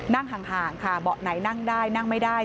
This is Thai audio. นั่งห่างค่ะเบาะไหนนั่งได้นั่งไม่ได้